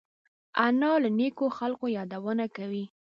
انا له نیکو خلقو یادونه کوي